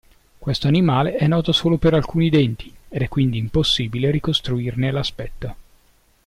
Questo animale è noto solo per alcuni denti, ed è quindi impossibile ricostruirne l'aspetto.